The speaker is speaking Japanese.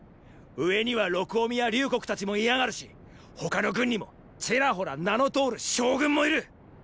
上には録嗚未や隆国たちもいやがるし他の軍にもチラホラ名の通る将軍もいる。